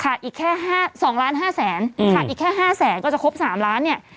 ค่ะอีกแค่ห้าสองล้านห้าแสนอืมค่ะอีกแค่ห้าแสนก็จะครบสามล้านเนี่ย